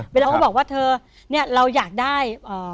เราก็บอกว่าเธอเนี่ยเราอยากได้